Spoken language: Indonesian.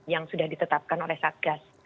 yang sudah ditetapkan oleh satgas